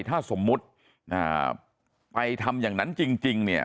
ถ้าสมมุติไปทำอย่างนั้นจริงเนี่ย